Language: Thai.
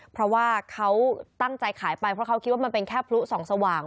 เพราะว่าเขาตั้งใจขายไปเพราะเขาคิดว่ามันเป็นแค่พลุสองสว่าง